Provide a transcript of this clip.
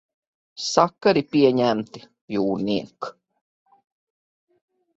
Sakari pieņemti, jūrniek?